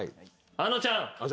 あのちゃん。